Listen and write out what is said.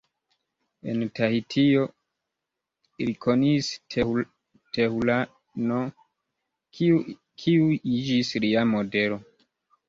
En Tahitio, li konis Tehura-n, kiu iĝis lia modelo.